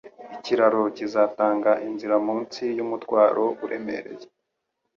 Ikiraro kizatanga inzira munsi yumutwaro uremereye.